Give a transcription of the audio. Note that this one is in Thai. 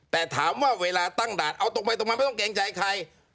แต่ถามว่าเวลาตั้งด่านเอาตรงไปตรงมาไม่ต้องเกรงใจใคร